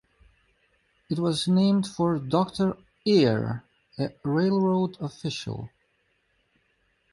It was named for Doctor Ayr, a railroad official.